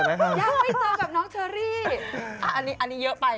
ยังไม่เจอกับน้องเชอรี่อันนี้เยอะไป